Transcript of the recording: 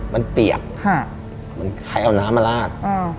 มันเปียบใครเอาน้ำมาลาด